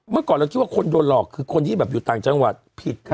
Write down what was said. เมื่อก่อนเราคิดว่าคนโดนหลอกคือคนที่แบบอยู่ต่างจังหวัดผิด